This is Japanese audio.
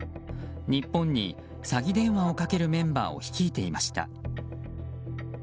日本に詐欺電話をかけるメンバーを率いていました。